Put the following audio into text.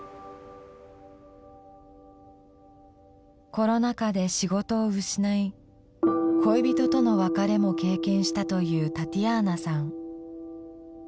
コロナ禍で仕事を失い恋人との別れも経験したというタティアーナさん。